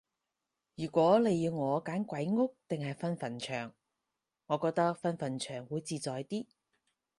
如果你要我揀鬼屋定係瞓墳場，我覺得瞓墳場會自在啲